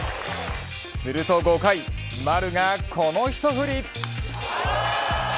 すると５回丸がこの一振り。